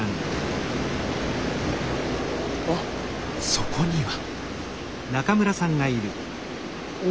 ・そこには。